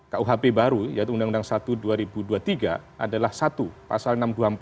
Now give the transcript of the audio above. kuhp baru yaitu undang undang satu dua ribu dua puluh tiga adalah satu pasal enam ratus dua puluh empat